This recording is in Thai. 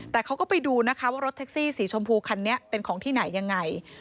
แต่เขาก็ไปดูนะคะว่ารถแท็กซี่สีชมพูคันนี้เป็นของที่ไหนยังไง